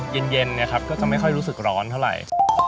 เย็นนะครับก็จะไม่ค่อยรู้สึกร้อนเท่าไหร่